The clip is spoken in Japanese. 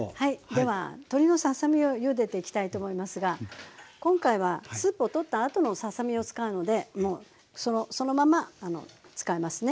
では鶏のささ身をゆでていきたいと思いますが今回はスープをとったあとのささ身を使うのでもうそのまま使いますね。